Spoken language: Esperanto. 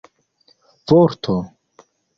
vorto